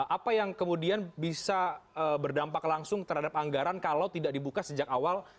apa yang kemudian bisa berdampak langsung terhadap anggaran kalau tidak dibuka sejak awal